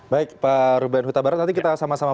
baik pak ruben huta barat nanti kita sama sama